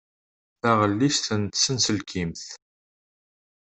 Taɣellist n tsenselkimt.